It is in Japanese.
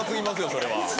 それは。